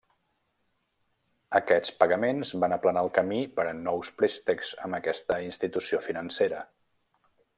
Aquests pagaments van aplanar el camí per a nous préstecs amb aquesta institució financera.